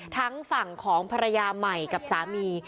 ทั้งฝั่งของภรรยาใหม่กับสามี